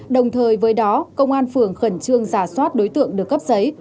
đồng thời với đó công an phường khẩn trương giả soát đối tượng được cấp giấy